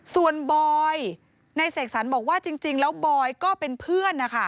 ส่วนบอยนายเสกสรรบอกว่าจริงแล้วบอยก็เป็นเพื่อนนะคะ